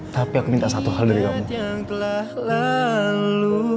tapi aku minta satu hal dari kamu